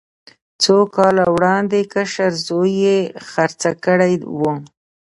څو کاله وړاندې کشر زوی یې خرڅه کړې وه.